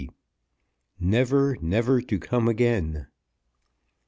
NEVER, NEVER, TO COME AGAIN.